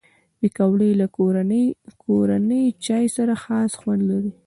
پکورې له کورني چای سره خاص خوند لري